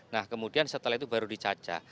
nah kemudian setelah itu baru dicaca